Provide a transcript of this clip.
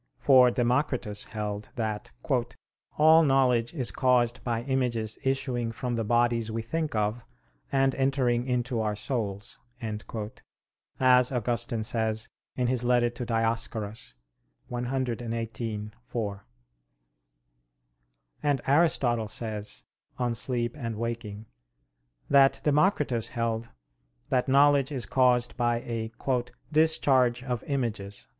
For Democritus held that "all knowledge is caused by images issuing from the bodies we think of and entering into our souls," as Augustine says in his letter to Dioscorus (cxviii, 4). And Aristotle says (De Somn. et Vigil.) that Democritus held that knowledge is caused by a "discharge of images."